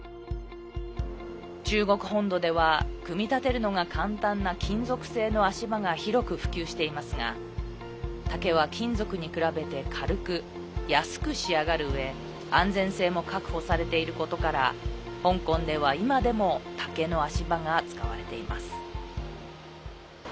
中国本土では組み立てるのが簡単な金属製の足場が広く普及していますが竹は金属に比べて軽く安く仕上がるうえ安全性も確保されていることから香港では今でも竹の足場が使われています。